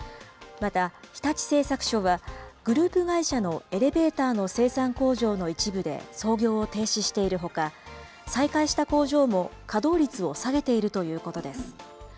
また、日立製作所は、グループ会社のエレベーターの生産工場の一部で操業を停止しているほか、再開した工場も稼働率を下げているということです。